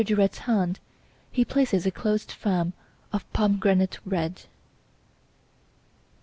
Duret's hand he places a closed fan of pomegranate red.